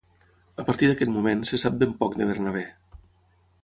A partir d'aquest moment se sap ben poc de Bernabé.